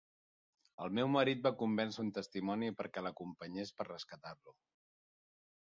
El meu marit va convèncer un testimoni perquè l'acompanyés per rescatar-lo.